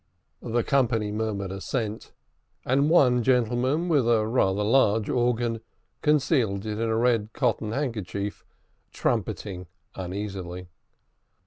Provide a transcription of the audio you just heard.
The company murmured assent, and one gentleman, with a rather large organ, concealed it in a red cotton handkerchief, trumpeting uneasily.